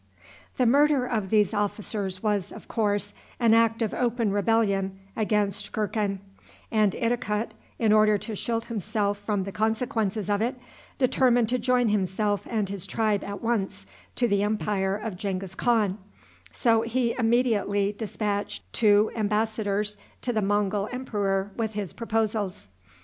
The murder of these officers was, of course, an act of open rebellion against Gurkhan, and Idikut, in order to shield himself from the consequences of it, determined to join himself and his tribe at once to the empire of Genghis Khan; so he immediately dispatched two embassadors to the Mongul emperor with his proposals.